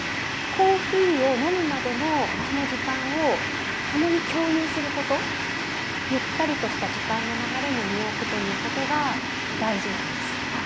コーヒーを飲むまでのその時間を共に共有することゆったりとした時間の流れに身を置くということが大事なんです。